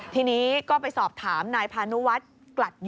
ทีนี้ก็ไปสอบถามนายพานุวัตร